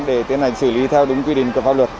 để tiến hành xử lý theo đúng quy định của pháp luật